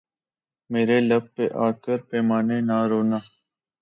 میرے لب پہ آ کر پیمانے نہ رونا